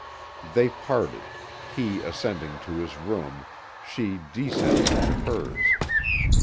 They parted; he ascending to his room, she descending to hers.